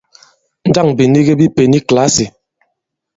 Njâŋ bìnigi bi pěn i kìlasì ?